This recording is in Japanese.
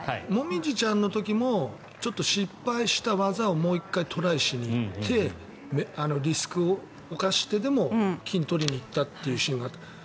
椛ちゃんの時もちょっと失敗した技をもう１回、トライしに行ってリスクを冒してでも金を取りに行ったというシーンがあった。